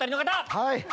はい！